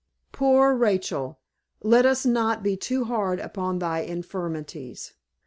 Poor Rachel, let us not be too hard upon thy infirmities.